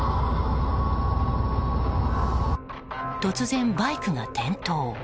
突然、バイクが転倒。